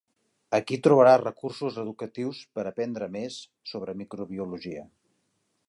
Aquí trobaràs recursos educatius per aprendre més sobre microbiologia.